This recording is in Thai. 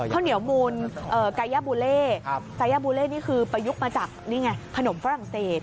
ข้าวเหนียวมูลกายบูเล่ายาบูเล่นี่คือประยุกต์มาจากนี่ไงขนมฝรั่งเศส